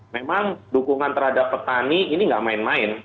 memang dukungan terhadap petani ini tidak main main